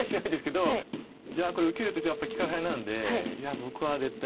いやこれ受けるとやっぱり利かされなんで僕は絶対。